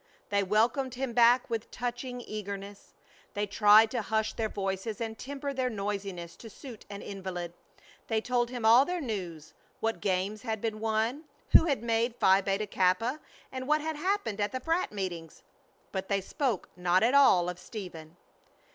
They welcomed him back with touching eagerness. They tried to hush their voices and temper their noisiness to suit an invalid. They told him all their news, what games had been won, who had made Phi Beta Kappa, and what had happened at the frat. meetings. But they spoke not at all of Stephen!